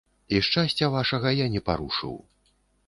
І шчасця вашага я не парушыў.